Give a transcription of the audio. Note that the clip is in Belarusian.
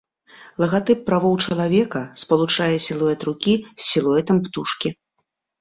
Лагатып правоў чалавека спалучае сілуэт рукі з сілуэтам птушкі.